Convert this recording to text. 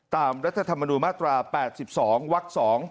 รัฐธรรมนูญมาตรา๘๒วัก๒